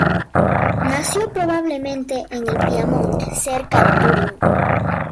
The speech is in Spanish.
Nació probablemente en el Piamonte cerca de Turín.